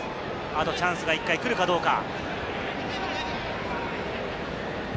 後チャンスが１回来るかどうか。